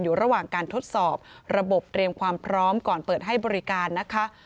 อยู่ระหว่างการทดสอบระบบเตรียมความพร้อมก่อนเปิดให้บริการนะคะ